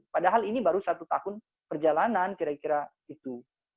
padahal ini baru satu tahun perjalanan kira kira itu